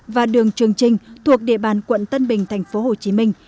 và đường trường trinh thuộc địa bàn quận tân bình thành phố hồ chí minh